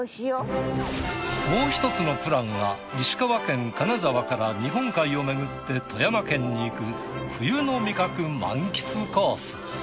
もう１つのプランが石川県金沢から日本海をめぐって富山県に行く冬の味覚満喫コース。